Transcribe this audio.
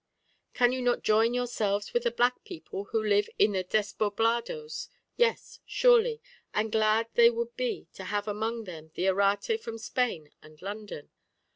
Can you not join yourselves with the black people who live in the despoblados? Yes, surely; and glad they would be to have among them the Errate from Spain and London.